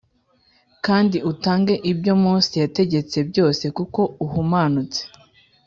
kandi utange ibyo Mose yategetse byose kuko uhumanutse